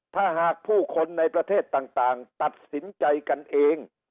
ถ้าหากผู้คนในประเทศต่างตัดสินใจกันเอง